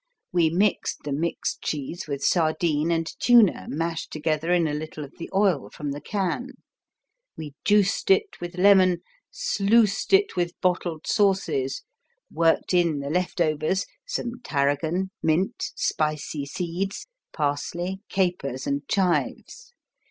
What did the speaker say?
We mixed the mixed cheese with sardine and tuna mashed together in a little of the oil from the can. We juiced it with lemon, sluiced it with bottled sauces, worked in the leftovers, some tarragon, mint, spicy seeds, parsley, capers and chives.